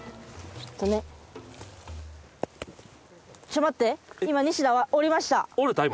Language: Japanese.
ちょっ待って！